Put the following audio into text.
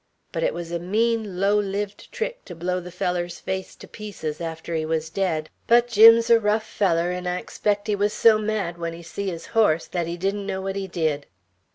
But it was a mean, low lived trick to blow the feller's face to pieces after he was dead; but Jim's a rough feller, 'n' I expect he was so mad, when he see his horse, that he didn't know what he did."